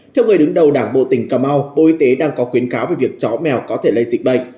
theo người đứng đầu đảng bộ tỉnh cà mau bộ y tế đang có khuyến cáo về việc chó mèo có thể lây dịch bệnh